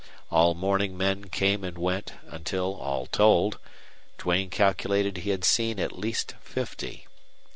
All morning men came and went, until, all told, Duane calculated he had seen at least fifty.